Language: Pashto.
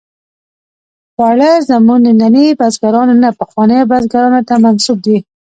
خواړه زموږ ننني بزګرانو نه، پخوانیو بزګرانو ته منسوب دي.